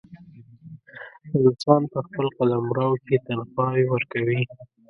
روسان په خپل قلمرو کې تنخواوې ورکوي.